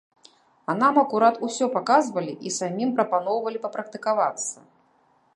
А нам акурат усё паказвалі і самім прапаноўвалі папрактыкавацца!